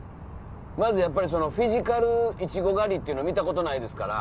まずやっぱりそのフィジカルいちご狩りっていうの見たことないですから。